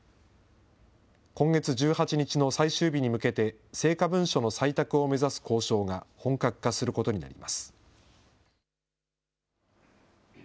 今月１８日の最終日に向けて、成果文書の採択を目指す交渉が本格化することになります。